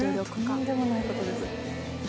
とんでもないことです。